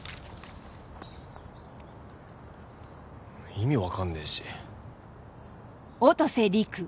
意味分かんねえし音瀬陸